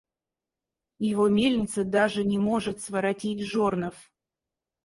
Его мельница даже не может своротить жернов.